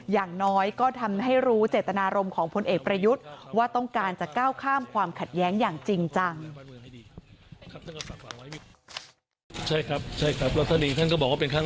อย่างน้อยก็ทำให้รู้เจตนารมณ์ของพลเอกประยุทธ์ว่าต้องการจะก้าวข้ามความขัดแย้งอย่างจริงจัง